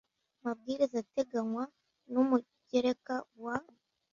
amabwiriza ateganywa n umugereka wa